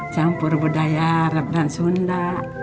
campur budaya arab dan sunda